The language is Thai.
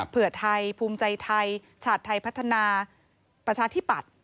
เพื่อไทยภูมิใจไทยชาติไทยพัฒนาประชาธิปัตย์